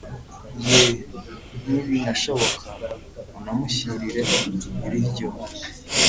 ye, nibinashoboka unamushyirireho ibiryo